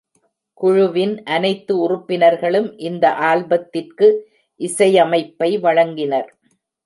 குழுவின் அனைத்து உறுப்பினர்களும் இந்த ஆல்பத்திற்கு இசையமைப்பை வழங்கினர்.